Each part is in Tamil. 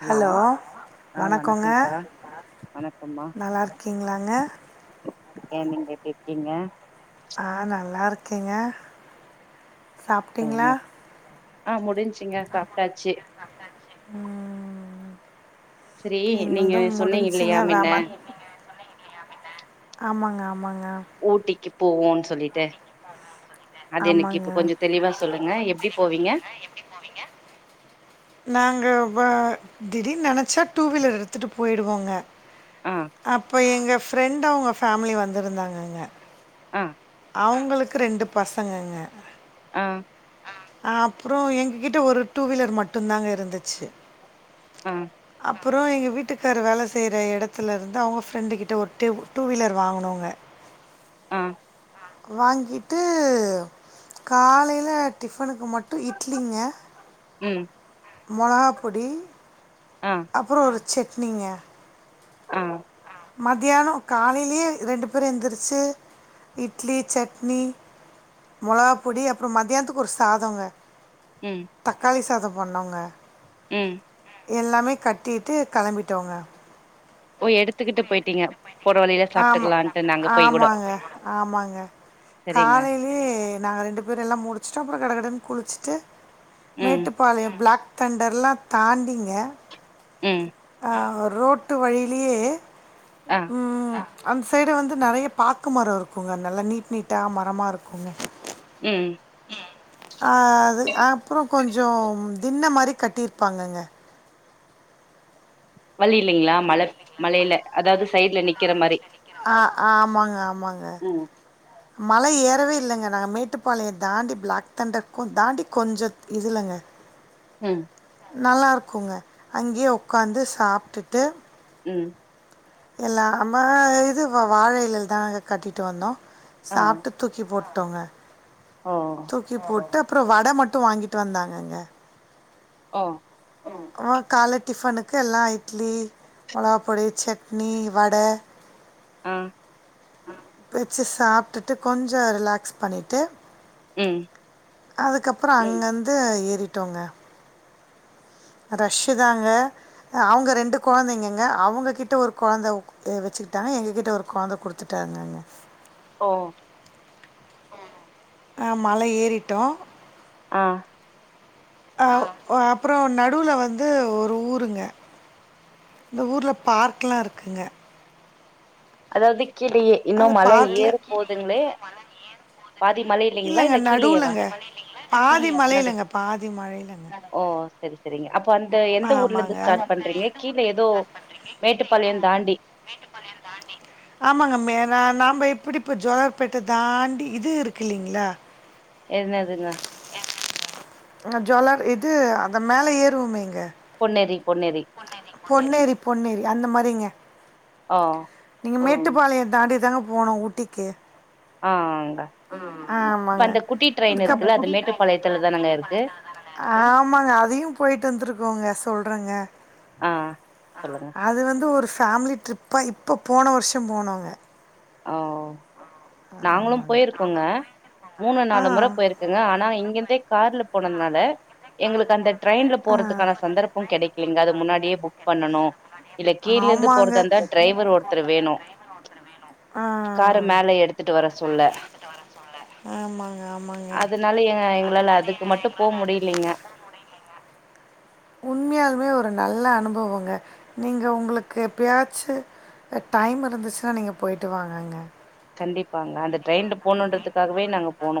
ஹலோ ஆ வணக்கங்க வணக்கோப்பா வணக்கம்மா நல்லா இருக்கீங்களாங்க நல்லா இருக்கே நீங்க எப்டி இருக்கீங்க ஆ நல்லா இருக்கேங்க சாப்பிட்டீங்களா ஆ முடிஞ்சிங்க சாப்ட்டாச்சு ம் செரி நீங்க எங்கள்து சொன்னீங்க முடிஞ்சுங்க இல்லையா மின்ன வேமா ஆமாங்க ஆமாங்க ஊட்டிக்கு போவோன் சொல்லிட்டு அது எனக்கு ஆமாங்க இப்போ கொஞ்சோ தெளிவா சொல்லுங்க எப்டி போவீங்க ங்க எப்டி போவீங்க நாங்க வ திடீர்ன் நெனச்சா டூவீலர் எடுத்துட்டு போய்டுவோங்க ஆ அப்போ எங்க ஃபிரெண்டு அவ்ங்க ஃபேமிலி வந்திருந்தாங்கங்க அ அவ்ங்குளுக்கு ரெண்டு பசங்கங்க ஆ அப்றோ எங்ககிட்ட ஒரு டூவீலர் மட்டுந்தாங்க இருந்துச்சு ஆ அப்புறோ எங்க வீட்டுக்காரு வேல செய்ற எடத்துலருந்து அவ்ங்க ஃபிரெண்டு கிட்ட ஒரு டூ டூவீலர் வாங்குனோங்க ஆ வாங்கிட்டு காலேல டிஃபனுக்கு மட்டு இட்லிங்க ம் மொளகா பொடி ஆ அப்புறோ ஒரு சட்னிங்க ஆ மதியானோ காலேயே ரெண்டு பேரு எந்துருச்சு இட்லி சட்னி மொளகா பொடி அப்றோ மத்யானத்துக்கு ஒரு சாதோங்க ம் தக்காளி சாதோ பண்ணோங்க ம் எல்லாமே கட்டிட்டு கெளம்பிட்டோங்க ஓ எடுத்துக்கிட்டு போய்ட்டீங்க போற வழியில சாப் ஆம ஆமாங்க ஆமாங்க செரிங்க காலே லே நாங்க ரெண்டு பேரு எல்லா முடிச்சிட்டோ அப்றோ கடகடன்னு குளிச்சிட்டு ம் மேட்டுப்பாளையம் பிளாக் தண்டர்லா தாண்டிங்க ம் அ ரோட்டு வழியிலேயே ஆ ம் அந்த சைட்டு வந்து நறைய பாக்கு மரம் இருக்குங்க நல்லா நீட் நீட்டா மரமா இருக்குங்க ம் ம் அ அது அப்பறோ கொஞ்சோ தின்ன மாரி கட்டிருப்பாங்கங்க வழி இல்லைங்களா மல மலயில அதாவது சைடு்ல நிக்கிற மாரி ஆ ஆமாங்க ஆமாங்க ம் மல ஏறவே இல்லைங்க நாங்க மேட்டுப்பாளையம் தாண்டி பிளாக் தண்டருக்கும் தாண்டி கொஞ்சோ இதுலங்க ம் நல்லா இருக்குங்க அங்கேயே உக்காந்து சாப்ட்டுட்டு ம் எல்லா அம்ம இது வாழ இலைல தாங்க கட்டிட்டு வந்தோ ஆஹ் சாப்ட்டு தூக்கி போட்டோங்க ஓ தூக்கி போட்டு அப்றோ வட மட்டு வாங்கிட்டு வந்தாங்கங்க ஒ ஆ கால டிஃபனுக்கு எல்லா இட்லி மொளகாப்பொடி சட்னி வட அ வச்சு சாப்ட்டிட்டு கொஞ்சோ ரிலாக்ஸ் பண்ணிட்டு ம் அதுக்கப்பறோம் அங்கந்து ஏறிட்டோங்க ஃரஷ் தாங்க அவுங்க ரெண்டு கொழந்தைங்கங்க அவுங்க கிட்ட ஒரு கொழந்த ஏ வச்சுக்கிட்டாங்க எங்ககிட்ட ஒரு கொழந்த குடுத்துட்டாங்கங்க ஓ ஆ மல ஏறிட்டோம் ஆ ஆ ஆ அப்றோம் நடுவுல வந்து ஒரு ஊருங்க அந்த ஊருல ஃபார்க்லாம் இருக்குங்க அதாவது கீழேயே அந்த இன்னும் மல பார்க்ல ஏற அதாவது போதுங்களே பாதி மலை இல்லங்க நடுலங்க பாதி மலைலங்க பாதி மலைலங்க செரி செரிங்க அப்போ அந்த எந்த ஊர்ல இருந்து ஆமாங்க. ஓகே. ஸ்டார்ட் அங்க பண்றீங்க கீழ ஏதோ மேட்டுப்பாளையம் தாண்டி மேட்டுப்பாளையம் தாண்டி ஆமாங்க மே ந நாம்ப இப்டி இப்போ ஜோலர்ப்பேட்ட தாண்டி இது இருக்கு இல்லைங்களா என்னதுங்க ஆ ஜோலார் இது அந்த மேல ஏறுவோமேங்க பொன்னேரி பொன்னேரி பொன்னேரி பொன்னேரி அந்த மாரிங்க ஓ நீங்க மேட்டுப்பாளயம் தாண்டி தாங்க போனு ஊட்டிக்கு ஆ ஆ க ம். இப்ப ஆமாங்க. அந்த குட்டி அந்த ட்ரெயின் அதுக்கப் இருக்குல்ல அது மேட்டுப்பாளையத்துல தானங்க இருக்கு ஆமாங்க அதையு போயிட்டு வந்துருக்கோங்க சொல்றங்க ஆ ஆ அது வந்து ஒரு ஃபேம்லி ட்ரிப்பா இப்ப போன வர்ஷ போனோங்க ஓ நாங்களு ஆமாங்க போயிருக்கோங்க மூணு ஆ நாலு முற போயிருக் க்கங்க ஆனா இங்கெருந்தே கார்ல போனதுனால எங்களுக்கு அந்த ட்ரெயின்ல போறதுக்கான சந்தர்ப்ப கெடைக்கலைங்க அது முன்னாடியே புக் பண்ணணு இல்ல கீழருந்து ஆமாங்க போறதா இருந்தா டிரைவர் ஒருத்தரு வேணு ஆ கார மேல எடுத்துட்டு வர சொல்ல ஆமாங்க ஆமாங் அதுனால எ எங்களால அதுக்கு மட்டு போ முடிய்லைங்க உண்மையாலுமே ஒரு நல்ல அனுபவங்க நீங்க ஒங்களுக்கு எப்பயாச்சு அ டைம் இருந்துச்சுனா நீங்க போயி்ட்டு வாங்கங்க கண்டிப்பாங்க அந்த ட்ரெயின்ல போணுன்றதுக்காகவே நாங்க போனோ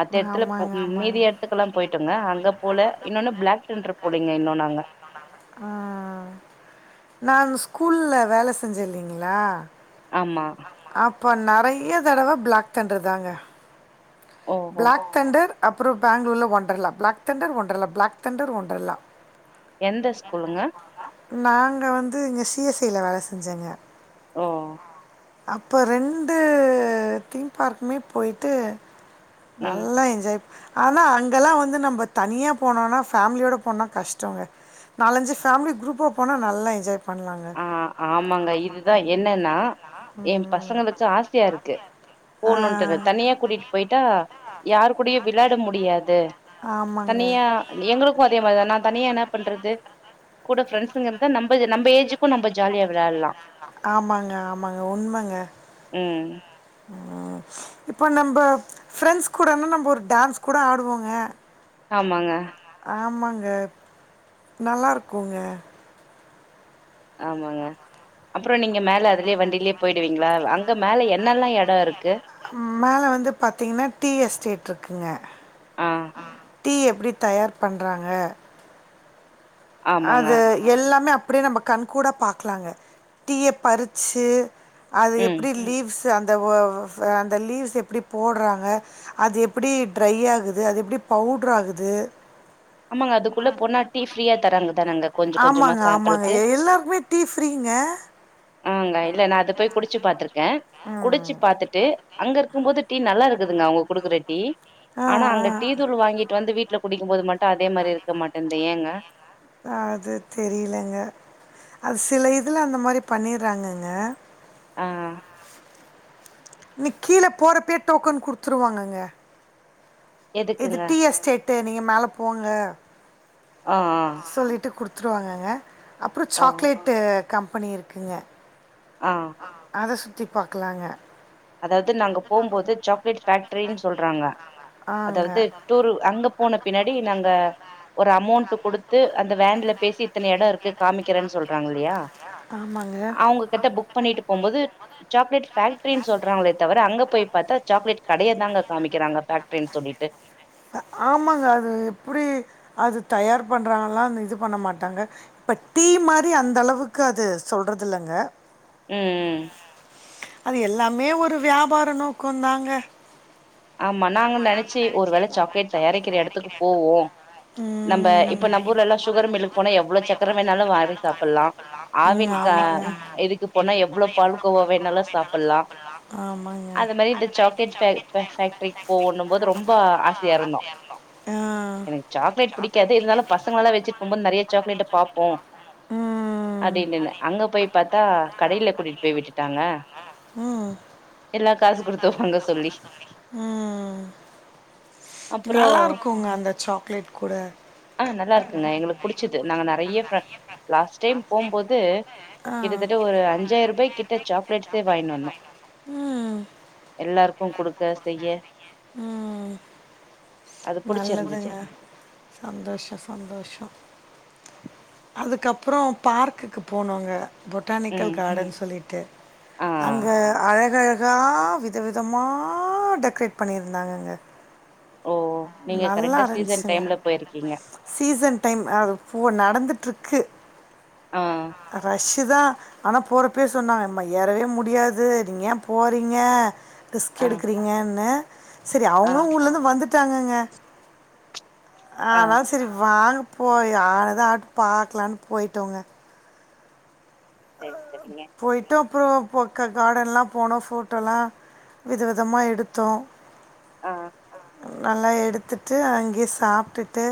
மத்த எடத்துல போ ஆமாங்க ம் ஆமாங்க மீதி எடத் த்துக்குலா போயிட்டோங்க அங்க போல இன்னொன்னு பிளாக்தண்ட்ரு போலைங்க இன்னு நாங்க ஆ நாங் ஸ்கூல்ல வேல செஞ்சே இல்லைங்ளா ஆமா அப்ப நெறைய தடவ பிளாக்தண்ட்ருதாங்க ஓஹோ பிளாக்தண்டர் அப்றோ பேங்ளூர்ல வொண்டர்லா பிளாக்தண்டர் வொண்டர்லா பிளாக்தண்டர் வொண்டர்லா எந்த ஸ்கூலுங்க நாங்க வந்து இங்க சி எஸ் ஐ ல வேல செஞ்சேங்க ஓ அப்ப ரெண்டு தீம் பார்க்குமே போயிட்டு ம் நல்லா என்ஜாய் ஆனா அங்கலா வந்து நம்ம தனியா போனோனா ஃபேம்லியோட போனா கஷ்டங்க நாலஞ்சு ஃபேம்லி குரூப்பா போனா நல்லா என்ஜாய் பண்லாங்க ஆ ஆமாங்க இதுதா என்னன்னா எ பசங்களுக்ச்சு ஆசையா இருக்கு ஆ, போணுன்ட்டு அது தனியா கூட்டிட்டு போயிட்டா யார்க்கூடயு விளாட முடியாது ஆமாங்க னியா எங்களுக்கு அதே மாரி தா நா தனியா என்ன பண்றது கூட ஃப்ரெண்ட்ஸுங்க இருந்தா நம்பது நம்ப ஏஜு இப்ப நம்ப ஜாலியா வெளாட்லா அ ஆமாங்க ஆமாங்க உண்மங்க ம் ஆ இப்ப நம்ப ஃரெண்ட்ஸ் கூடனா நம்ப ஒரு டான்ஸ் கூட ஆடுவோங்க ஆமாங்க ஆமாங்க நல்லாருக்குங்க ஆமாங்க அப்றோ நீங்க மேல அதுலே வண்டிலே போயிடுவீங்ளா அங் ங்க மேல என்னெல்லா எட இருக்கு ம் மேல வந்து பாத்தீங்கனா டீ எஸ்டேட் இருக்குங்க ஆ டீ எப்டி தயார் பண்றாங்க ஆமாங்க அத எல்லாமே அப்டியே நம்ப கண் கூட பாக்கலாங்க டீய பறிச்சு அது ம் எப்டி லீவ்ஸு அந்த வ அந்த லீவ்ஸ் எப்டி போட்றாங்க அது எப்டி ட்ரை ஆகுது அது எப்டி பவுட்ரு ஆகுது ஆமாங்க அதுக்குள்ள போனா டீ ஃப்ரீயா தராங்கதான அங்க கொஞ்ச கொஞ்சமா ஆமாங்க ஆமாங்க சாம்பிளுக்கு எ- எல்லாருக்குமே டீ ஃப்ரீங்க ஆமாங்க இல்ல நா அத போய் குடிச்சு பாத்துருக்கே குடிச்சு பாத்துட்டு அங்க இருக்கும் போது டீ நல்லா இருக்குதுங்க அவ்ங்க குடுக்குற டீ ஆ ஆனா அங்க டீ ஆ தூள் வாங்கிட்டு வந்து வீட்ல குடிக்கும் போது மட்டு அதே மாரி இருக்க மாட்டேன்ந்து ஏங்க அது தெரியலங்க அது சில இதுல அந்த மாரி பண்ணிர்றாங்கங்க ஆ நீ கீழ போறப்பயே டோக்கன் குடுத்துருவாங்கங்க இது எதுக்குங்க? டீ எஸ்டேட்டு நீங்க மேல போங்க ஆ சொல்லிட்டு குடுத் துருவாங்கங்க அப்றோ ஆ ஓ சாக்லேட்டு கம்பெனி இருக்குங்க ஆ அத சுத்தி பாக்கலாங்க அதாவது நாங்க போம்போது சாக்லேட் பேஃக்டரின்னு சொல்றாங்க ஆங்க. அதாவது டூர் அங்க போன பின்னாடி நாங்க ஒரு அமௌண்ட் குடுத்து அந்த வேன்ல பேசி இத்தன எடோ இருக்கு காமிக்கிறேன்னு சொல்றாங்க இல்லையா ஆமாங்க. அவங்க கிட்ட புக் பண்ணிட்டு போம்போது சாக்லேட் பேக்ட்ரின்னு சொல்றாங்களே தவர அங்க போய் பாத்தா சாக்லேட் கடைய தாங்க காமிக்கிறாங்க பேக்ரின்னு சொல்லிட்டு ஆமாங்க அது எப்டி அது தயார் பண்ணுறாங்கல்லா அந்த இது பண்ண மாட்டாங்க இப்ப டீ மாரி அந்தளவுக்கு அது சொல்றதில்லங்க ம் ம். அது எல்லாமே ஒரு வியாபார நோக்கோ தாங்க ஆமா நாங்க நெனைச்சி ஒரு வேள சாக்லேட் தயாரிக்கிற எடத்துக்கு போவோ நம்ம இப்ப நம்ம ஊர்லல்லா சுகர் மில்லுக்கு போனா எவ்ளோ சக்கர வேணாலு வாரி சாப்ட்லா ம். ஆவின் கா ஆமாங்க. இதுக்கு போனா எவ்ளோ பால்கோவா வேணாலு வேணாலு சாப்புட்லா சாப்டலா ஆமாங்க அது மாரி இந்த சாக்லெட் ஃபேக்டரிக்கு போவோண்ணும் போது ரொம்ப ஆசையா இருந்தோ ஆ. எனக்கு சாக்லேட் புடிக் காது இருந்தாலு பசங்களல்லா வச்சிட்டு போம்போது நெறைய சாக்லேட்ட பாப்போ ம். அப்படின்னு இருந்தே அங்க போய் பாத்தா கடையில கூட்டிட்டு போய் விட்டுட்டாங்க ஆ ம். எல்லா காசு குடுத்து வாங்க சொல்லி ம் அப்புறோ நல்லா இருக்குங்க அந்த சாக்லேட் கூட ஆ நல்லா இருக்குங்க எங்களுக்கு புடிச்சது நாங்க நெறைய லாஸ்ட் டைம் போம்போது ஆ. கிட்டதட்ட ஒரு அஞ்சாயிரபாய் கிட் ட சாக்லேட்ஸே வங்கின்னு வந்தோ ம். எல்லாருக்கு குடுக்க செய்ய ம் அது புடிச்சிருந்தது நல்லதுங்க சந்தோஷோ சந்தோஷோ அதுக்கப்பறோ பார்க்குக்கு போனோங்க பொட்டானிக்கல் ம் கார்டன் சொல்லிட்டு ஆ அங்க அழகழகா விதவிதமா டெக்ரேட் பண்ணியிருந்தாங்கங்க ஓ நீங்க நல்லா கரெக்டா சீசன் இருந்ச்சுங்க டைம்ல போயிருக்கீங்க சீசன் டைம் அது போவ நடந்துட்டுருக்கு ஆ ரஷ் தா ஆனா போறப்பயே சொன்னாங்க எம்மா ஏறவே முடியாது நீங்க ஏ போறீங்க ரிஸ்க் ஆ எடுக்கிறீங்கன்னு சரி ஆ அவுங்களு ஊர்லருந்து வந்துட்டாங்கங்க ஆ அதனால செரி வாங்க போய் ஆனது ஆகட்டு பாக்கலான்னு போயிட்டோங்க ஆ சேரி சேரிங்க போயிட்டு அப்றோ பொக்க கார்டன்ல்லா போனோ ஃபோட்டோலா விதவிதமாக எடுத்தோ ஆ நல்லா எடுத்துட்டு அங்கேயே சாப்ட்டுட்டு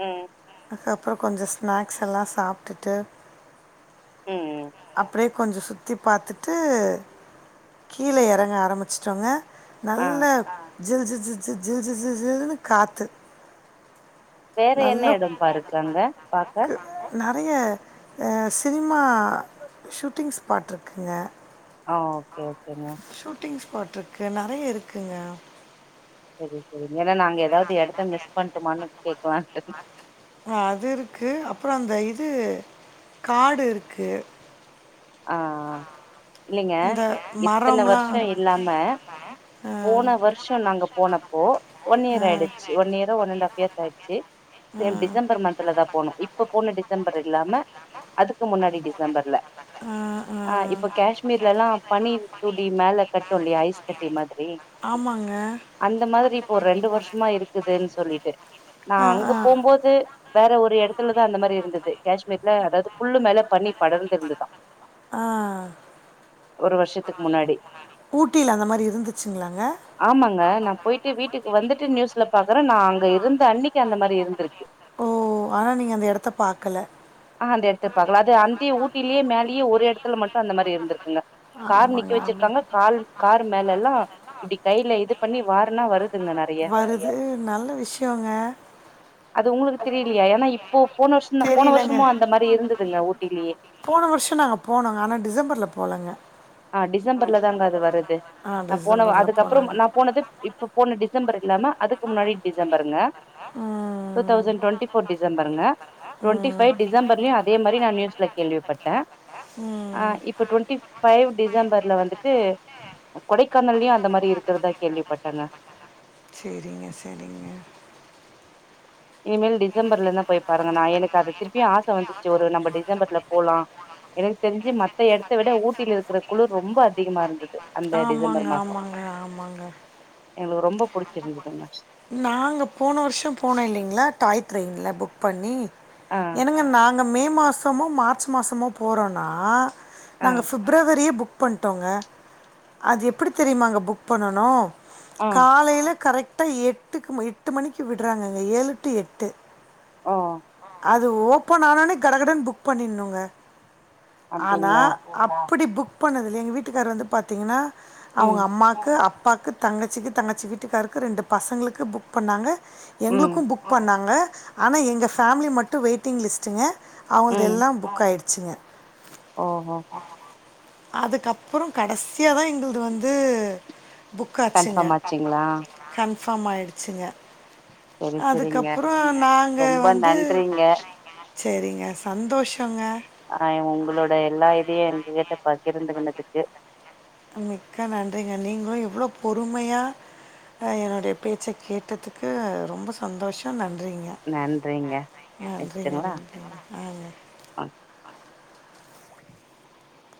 ம் அதுக்கப்பறோ கொஞ்சோ ஸ்நாக்ஸ் எல்லா சாப்ட்டுட்டு ம் ம் அப்டியே கொஞ்சோ சுத்தி பாத்துட்டு கீழ எறங்க ஆரமிச்சிட்டோங்க ஆ நல்ல ஜில் ஜில் ஜி ஜி ஜில் ஜில் ஜில் ஜில்ன்னு காத்து வேற என்ன எடம் பா இருக்கு அங்க பாக்க நெறைய அ சினிமா ஷூட்டிங் ஸ்பாட் இருக்குங்க ஆ ஓகே ஓகேங்க ஷூட்டிங் ஸ்பாட்ருக்கு நெறைய இருக்குங்க செரி செரி ஏனா நாங்க எதாச்சு எடத்த மிஸ் பண்ட்டமானு கேக்கலான்ட்டு அது இருக்கு அப்றோ அந்த இது காடு இருக்கு ஆ இல்லைங்க அந்த இத்தன மரம்லாம் வருஷோ சின்ன இருக்கு. இல்லாம மரம். போன வருஷோ நாங்க போனப்போ ஒன் இயர் ஆயிடுச்சி ஒன் இயரோ ஒன் அண்ட் ஆப் இயர்ஸ் ஆயிட்ச்சு ஆ, ஆ, சேம் டிசம்பர் மந்த்ல தா போனு இப் இப்ப போன டிசம்பர் இல்லாம அதுக்கு முன்னாடி டிசம்பர்ல ஆ அ இப்ப கேஷ்மீர்லலா பனி துளி மேல கட்டு இல்லியா ஐஸ் கட்டி மாதிரி ஆமாங்க அந்த மாதிரி இப்போ ஒரு ரெண்டு வருஷ்மா இருக்குதுன் சொல்லிட்டு நா ஆ, அங்க ஆ, போம்போது வேற ஒரு எடத்துலதா அந்த மாரி இருந்தது கேஷ்மீர்ல அதாது புல்லு மேல பனி படர்ந்து இருந்துதா ஆ ஒரு வர்ஷத்துக் முன்னாடி ஊட்டில அந்த மாரி இருந்துச்சுங்ளாங்க ஆமாங்க நா போய்ட்டு வீட்டுக்கு வந்துட்டு நியூஸ்ல பாக்கற நா அங்க இருந்த அன்னைக்கி அந்த மாரி இருந்திருக்கு ஓ ஆனா நீங்க அந்த எடத்த பாக்கல ஆ அந்த எடத்த பாக்கல அத அந்திய ஊட்டிலியே மேலயே ஒரு எடத்துல மட்டு அந்த மாரி இருந்துர்க்குங்க கார் நிக்க ஆமாங்க, ஆமா. வச்சிர்க்காங்க கால் கார் மேலலா இப்டி கையில இது பண்ணி வார்னா வருத் வருது நல்ல விஷ்யோங்க அது உங்களுக்கு தெரியிலியா ஏனா இப்போ போன வருஷோ தா போன தெரியலங்க. வருஷமு அந்த மாரி இருந்துதுங்க ஊட்டிலியே போன வருஷோ நாங்க போனங்க ஆனா டிசம்பர்ல போலங்க ஆ டிசம்பர்ல தாங்க அது வருது ஆ நா போன வ டிசம்பர்ல அதுக்கப்பற போலங்க. நா போனது இப்ப போன டிசம்பர் இல்லாம அதுக்கு முன்னாடி டிசம்பருங்க டூ ம், தௌசண் டுவெண்டி ஃபோர் டிசம்பருங்க டுவெண்டி ஃபைவ் டிசம்பர்லயு அதே மாரி நா நியூஸ்ல கேள்விப்பட்ட ஆ ம். இப்ப டுவெண்டி ஃபைவ் டிசம்பர்ல வந்துட்டு கொடைக்கானலயு அந்த மாரி இருக்கறதா கேள்விப்பட்டங்க செரிங்க செரிங்க இனிமேல் டிசம்பர்லனா போய் பாருங்க நா எனுக்கு அத திருப்பியு ஆச வந்துச்சி ஒரு நம்ப டிசம்பர்ல போலா எனக்கு தெரிஞ்சி மத்த எடத்த விட ஊட்டில இருக்கற குளுர் ரொம்ப அதிகமா இருந்தது அந்த டிசம்பர் மாசோ மாங்க எங்களுக்கு ரொம்ப புடிச்சிருந்ததுங்க நாங்க போன வருஷோ போனோ இல்லைங்ளா டாய் ட்ரெய்ன்ல புக் பண்ணி ஆ எனங்க நா ங்க மே மாசமோ மார்ச் மாசமோ போறோனா ஆ நாங்க ஃபிப் ரவரியே புக் பண்ட்டோங்க அது எப்டி தெரியுமாங்க புக் பண்ணணு ஆ காலையில கரெக்டா எட்டுக்கு மு எட்டு மணிக்கு விட்றாங்கங்க ஏழு டு எட்டு ஓ அது ஓப்பன் ஆனனோ கட கடன் புக் பண்ணிர்னுங்க ஆனா அப்டிங்களா அப்டி புக் பண்ணதில்லயே எங்க வீட்டுக்கார் வந்து பாத்தீங்கனா அவுங்க ம் அம்மா க்கு அப்பாக்கு தங்கச்சிக்கு தங்கச்சி வீட்டுக்காருக்கு ரெண்டு பசங்களுக்கு புக் பண்ணாங்க ம் எங்குளுக்கு புக் பண்ணாங்க ஆனா எங்க ஃபேமிலி மட்டு வெயிட்டிங் லிஸ்ட்டுங்க அவுங்கள்து ம் எல்லா புக் ஆய்டுச்சுங்க ஓஹோ அதுக்கப்றோ கடைசியாதா எங்கள்து வந்து புக்காச்சுங்க கன்ஃபார்ம் ஆச்சுங்களா கன்ஃபார்ம் ஆய்டுச்சுங்க சரி சரிங்க அதுக்கப்றோ நாங்க ரொம்ப வந்து நன்றிங்க செரிங்க சந்தோஷங்க ஆ உங்களோட எல்லா இதயு எங்ககிட்ட பகிர்ந்துகின்னதுக்கு மிக்க நன்றிங்க நீங்ளு எவ்ளோ பொறுமயா ஆ என்னுடைய பேச்ச கேட்டதுக்கு ரொம்ப சந்தோஷோ நன்றிங்க நன்றிங்க நன்றிங்க வச்சுட்டுங்களா நன்றிங்க ஆ ங்க ஆ